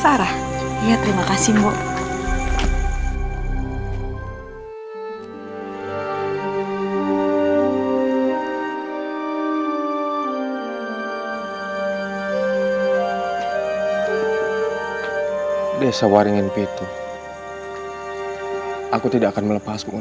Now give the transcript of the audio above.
ayo masuk ke dalam